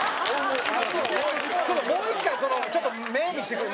ちょっともう一回そのちょっと目見せてくれ。